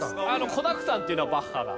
子だくさんっていうのはバッハが。